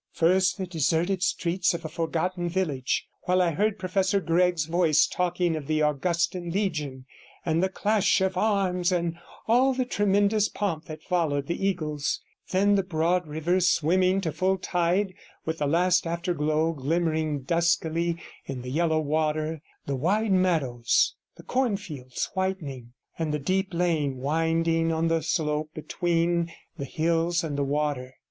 First the deserted streets of a forgotten village, while I heard Professor Gregg's voice talking of the Augustan Legion and the clash of arms, and all the tremendous pomp that followed the eagles; then the broad river swimming to full tide with the last afterglow glimmering duskily in the yellow water, the wide meadows, the cornfields whitening, and the deep lane winding on the slope between the hills and the water.